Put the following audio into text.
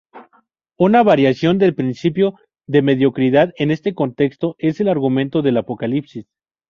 Una variación del principio de mediocridad en este contexto es el argumento del apocalipsis.